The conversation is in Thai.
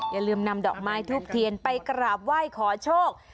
อย่าลืมนำดอกไม้ทูบเทียนไปกราบไหว้ขอโชค